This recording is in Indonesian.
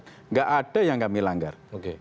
tidak ada yang kami langgar